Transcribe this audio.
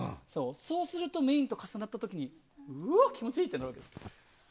そうするとメインと重なった時にうわあ、気持ちいい！ってなるわけです。